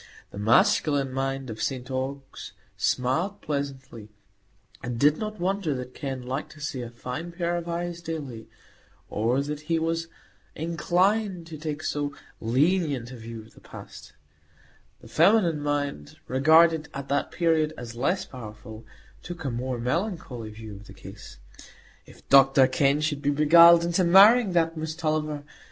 The masculine mind of St Ogg's smiled pleasantly, and did not wonder that Kenn liked to see a fine pair of eyes daily, or that he was inclined to take so lenient a view of the past; the feminine mind, regarded at that period as less powerful, took a more melancholy view of the case. If Dr Kenn should be beguiled into marrying that Miss Tulliver!